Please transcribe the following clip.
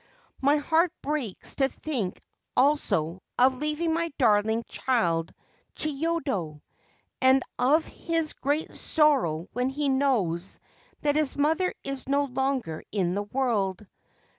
My heart breaks to think also of leaving my darling child Chiyodo and of his great sorrow when he knows that his mother is no longer in the world.